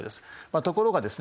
ところがですね